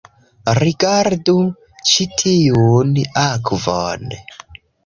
Rigardu ĉi tiun akvon